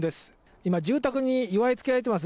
今、住宅に結わえつけられています